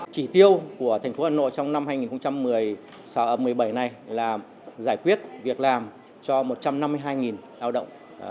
chỉ tiêu của thành phố hà nội trong năm hai nghìn một mươi bảy này là giải quyết việc làm cho một trăm năm mươi hai lao động